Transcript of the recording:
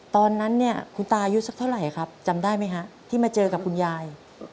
ตอนนั้นเนี่ยคุณตายุสักเท่าไหร่ครับจำได้ไหมฮะที่มาเจอกับคุณยาย